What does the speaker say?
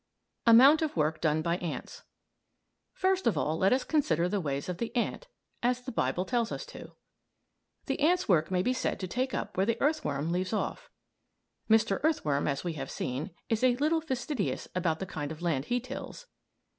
AMOUNT OF WORK DONE BY ANTS First of all let us consider the ways of the ant (as the Bible tells us to). The ant's work may be said to take up where the earthworm leaves off. Mr. Earthworm, as we have seen, is a little fastidious about the kind of land he tills.